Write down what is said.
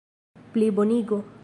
plibonigo